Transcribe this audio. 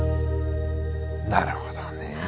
なるほどね。